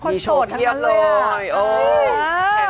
มีโชว์เพียบเลยอ่ะอุ้ยคนโสดทั้งนั้นเลยอ่ะ